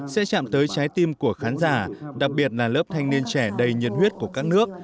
sẽ chạm tới trái tim của khán giả đặc biệt là lớp thanh niên trẻ đầy nhiệt huyết của các nước